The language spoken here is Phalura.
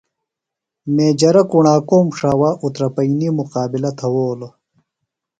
میجرہ کُݨاکوم ݜاوا اُترپئینی مُقابِلہ تھوؤلوۡ۔